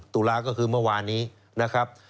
ตุลาก็คือเมื่อวานนี้นะครับ